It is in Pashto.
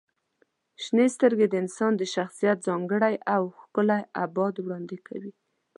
• شنې سترګې د انسان د شخصیت ځانګړی او ښکلی ابعاد وړاندې کوي.